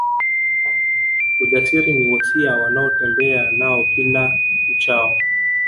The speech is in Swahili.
Ujasiri ni wosia wanaotembea nao kila uchao